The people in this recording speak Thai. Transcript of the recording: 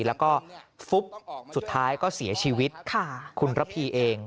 แล้วก็ฟุ๊บสุดท้ายก็เสียชีวิตคุณระพีเอง